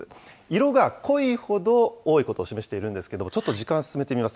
色が濃いほど多いことを示しているんですけれども、ちょっと時間進めてみます。